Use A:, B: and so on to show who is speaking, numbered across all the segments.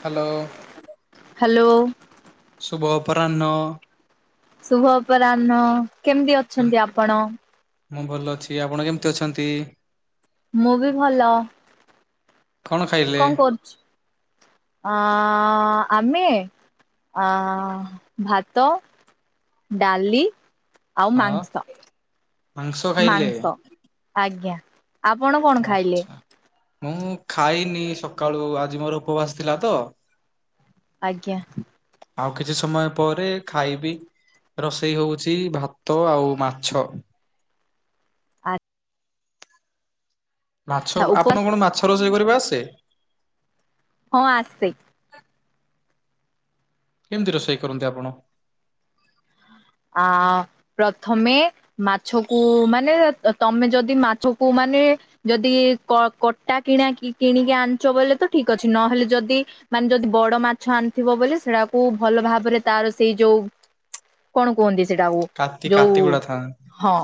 A: Hello.
B: Hello.
A: ଶୁଭ ଅପରାହ୍ନ।
B: ଶୁଭ ଅପରାହ୍ନ କେମିତି
A: କେମ
B: ଅଛନ୍ତି ଆପଣ?
A: ମୁଁ ଭଲ ଅଛି। ଆପଣ କେମିତି ଅଛନ୍ତି?
B: ମୁଁ ବି ଭଲ।
A: କଣ ଖାଇଲେ
B: କଣ କରୁଛୁ ଆ ଆମେ ଆ ଭାତ ଡାଲି। ଆଉ
A: ହଁ
B: ମାଂସ
A: ମାଂସ ଖାଇଲେ
B: ମାଂସ ଆଜ୍ଞା। ଆପଣ କଣ ଖାଇଲେ?
A: ଆଛା ମୁଁ ଖାଇନି ସକାଳୁ ଆଜି ମୋର ଉପବାସ ଥିଲା ତ।
B: ଆଜ୍ଞା।
A: ଆଉ କିଛି ସମୟ ପରେ ଖାଇବି। ରୋଷେଇ ହଉଛି ଭାତ ଆଉ ମାଛ।
B: ଆଜ୍ ଆଚ୍ଛା
A: ମାଛ
B: ଉପବାସ
A: ଆପଣ କଣ ମାଛ ରୋଷେଇ କରିବା ଆସେ।
B: ହଁ ଆସେ।
A: କେମିତି ରୋଷେଇ କରନ୍ତି ଆପଣ?
B: ଆ ପ୍ରଥମେ ମାଛକୁ ମାନେ ତମେ ଯଦି ମାଛକୁ ମାନେ ଯଦି କଟା କିଣା କିଣିକି ଆଣିଛ ବୋଇଲେ ତ ଠିକ୍ ଅଛି। ନହେଲେ ଯଦି ମାନେ ଯଦି ବଡ ମାଛ ଆଣିଥିବ ବୋଲି ସେଟାକୁ ଭଲ ଭାବରେ ତାର ସେଇ ଯୋଉ କଣ କୁହନ୍ତି ସେଇଟାକୁ?
A: କାତି କାତିଗୁଡା ଥାନ୍
B: ହଁ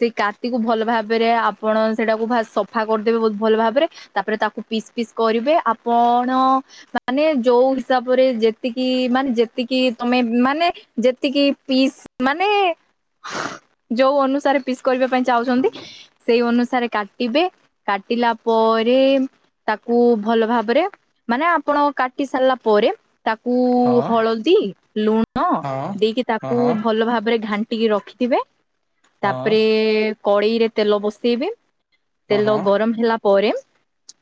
B: ସେଇ କାତିକୁ ଭଲ ଭାବରେ ଆପଣ ସେଇଟାକୁ ଫାସ ସଫା କରିଦେବେ ବହୁତ ଭଲ ଭାବରେ। ତାପରେ ତାକୁ ପିସ୍ ପିସ୍ କରିବେ ଆପଣ। ମାନେ ଯୋଉ ହିସାବରେ ଯେତିକି ମାନେ ଯେତିକି ତମେ ମାନେ ଯେତିକି ପିସ୍ ମାନେ ଯୋଉ ଅନୁସାରେ ପିସ୍ କରିବା ପାଇଁ ଚାହୁଁଚନ୍ତି। ସେଇ ଅନୁସାରେ କାଟିବେ କାଟିଲା ପଅରେ ତାକୁ ଭଲ ଭାବରେ ମାନେ ଆପଣ କାଟି ସାରିଲା ପରେ ତାକୁ
A: ହଁ
B: ହଳଦୀ ଲୁଣ
A: ହଁ
B: ଦେଇକି ତାକୁ
A: ହଁ ହଁ
B: ଭଲ ଭାବରେ ଘାଣ୍ଟିକି ରଖିଥିବେ
A: ହଁ
B: ତାପରେ କଡ଼େଇରେ ତେଲ ବସେଇବେ
A: ହଁ
B: ତେଲ
A: ହଁ
B: ଗରମ ହେଲା ପରେ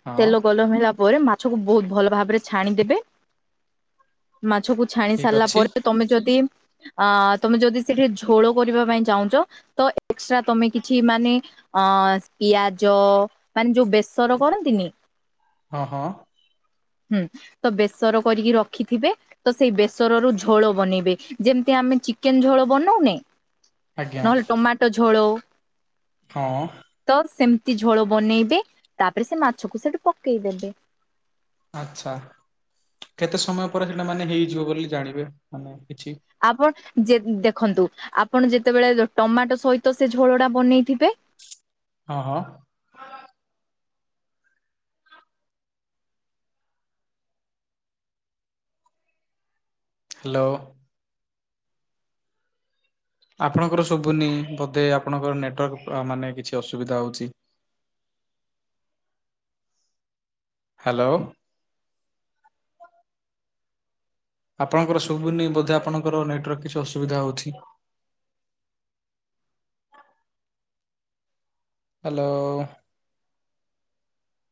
A: ହଁ
B: ତେଲ ଗଲମ ହେଲା ପରେ ମା ଛକୁ ବହୁତ ଭଲ ଭାବରେ ଛାଣିଦେବେ। ମାଛକୁ ଛାଣି
A: ଠିକ
B: ସାରିଲା
A: ଅଛି
B: ପରେ ତମେ ଯଦି ଅ ତମେ ଯଦି ସେଠି ଝୋଳ କରିବା ପାଇଁ ଚାହୁଁଛ ତ ଏକ୍ସଟ୍ରା ତମେ କିଛି ମାନେ ହଁ ପିଆଜ ମାନେ ଯୋଉ ବେସର କରନ୍ତିନି।
A: ହଁ ହଁ।
B: ହୁଁ। ତ ବେସର କରିକି ରଖିଥିବେ ତ ସେଇ ବେସରରୁ ଝୋଳ ବନେଇବେ। ଯେମ୍ ଆମେ ଚିକେନ ଝୋଳ ବନଉନେ
A: ଆଜ୍ଞା
B: ନହେଲେ ଟମାଟୋ ଝୋଳୋ
A: ହଁ।
B: ତ ସେମିତି ଝୋଳ ବନେଇବେ ତାପରେ ସେ ମାଛକୁ ସେଠୁ ପକେଇଦେବେ।
A: ଆଚ୍ଛା କେତେ ସମୟ ପରେ ସେଇଟା ମାନେ ହେଇଯିବ ବୋଲି ଜାଣିବେ ମାନେ କିଛି
B: ଆପଣ ଯେ ଦେଖନ୍ତୁ ଆପଣ ଯେତେବେଳେ ଟମାଟୋ ସହିତ ସେ ଝୋଳ ଟା ବନେଇଥିବେ
A: ହଁ ହଁ। ହାଲୋ। ଆପଣଙ୍କର ଶୁଭୁନି ବୋଧେ ଆପଣଙ୍କର ନେଟୱାର୍କ ମାନେ କିଛି ଅସୁବିଧା ହଉଛି। ହାଲୋ। ଆପଣଙ୍କର ଶୁବୁନି ବୋଧେ ଆପଣଙ୍କର ନେଟ୍ରେ କିଛି ଅସୁବିଧା ହଉଛି। ହାଲୋ।